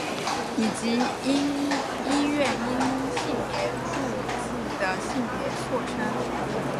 以及医院因性别注记的性别错称。